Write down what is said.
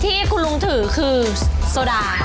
ที่คุณลุงถือคือโซดา